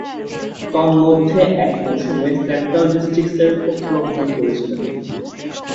তন্মধ্যে, এক মৌসুমে সেন্ট্রাল ডিস্ট্রিক্টসের পক্ষাবলম্বন করেছিলেন।